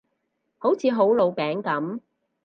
好似好老餅噉